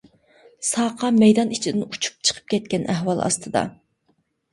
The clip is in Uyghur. ساقا مەيدان ئىچىدىن ئۇچۇپ چىقىپ كەتكەن ئەھۋال ئاستىدا.